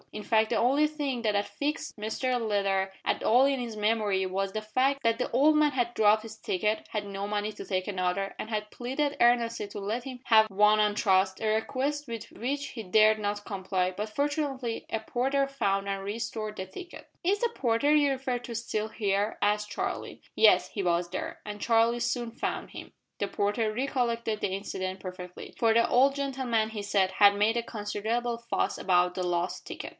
In fact the only thing that had fixed Mr Leather at all in his memory was the fact that the old man had dropped his ticket, had no money to take another, and had pleaded earnestly to let him have one on trust, a request with which he dared not comply but fortunately, a porter found and restored the ticket. "Is the porter you refer to still here?" asked Charlie. Yes, he was there; and Charlie soon found him. The porter recollected the incident perfectly, for the old gentleman, he said, had made a considerable fuss about the lost ticket.